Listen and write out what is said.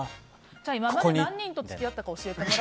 じゃあ、今まで何人と付き合ったか